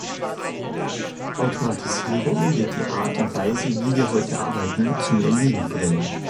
Automatisierung wird die Art und Weise, wie wir heute arbeiten, zum Erliegen bringen.